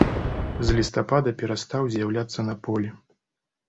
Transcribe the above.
З лістапада перастаў з'яўляцца на полі.